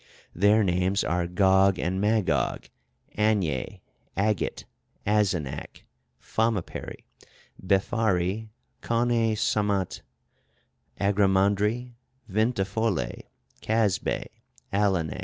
Their names are Gog and Magog, Anie, Agit, Azenach, Fommeperi, Befari, Conei Samante, Agrimandri, Vintefolei, Casbei, Alanei.